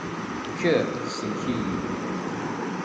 Kker, sellek-iyi.